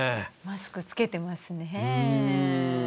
マスクつけてますねぇ。